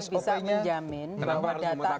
siapa yang bisa menjamin bahwa data